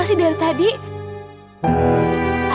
seharusnya kita